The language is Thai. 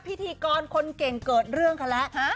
พิธีกรคนเก่งเกิดเรื่องเขาแล้ว